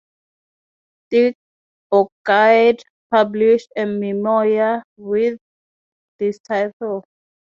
Dirk Bogarde published a memoir with this title.